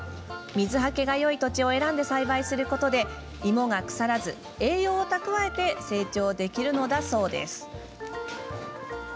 水はけがよい土地を選んで栽培することで芋が腐らず、栄養を蓄えて成長できるのだそうです。